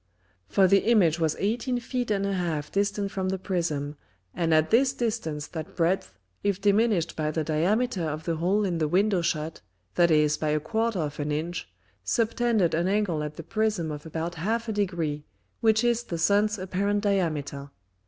For the Image was eighteen Feet and an half distant from the Prism, and at this distance that Breadth, if diminished by the Diameter of the Hole in the Window shut, that is by a quarter of an Inch, subtended an Angle at the Prism of about half a Degree, which is the Sun's apparent Diameter.